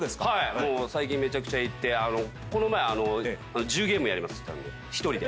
最近めちゃくちゃ行ってこの前１０ゲームやりましたんで１人で。